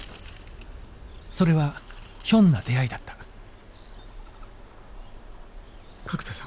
それはひょんな出会いだった角田さん？